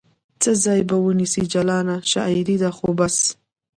څه ځای به ونیسي جلانه ؟ شاعرې ده خو بس